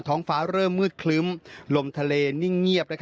ท้องฟ้าเริ่มมืดคลึ้มลมทะเลนิ่งเงียบ